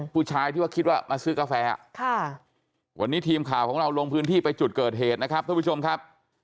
ผู้ชายที่ว่าคิดว่ามาซื้อกาแฟวันนี้ทีมข่าวของเราลงพื้นที่ไปจุดเกิดเหตุนะครับท่านผู้ชมครับ